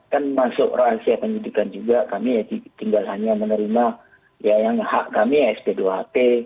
kan masuk rahasia penyidikan juga kami tinggal hanya menerima yang hak kami ya sp dua hp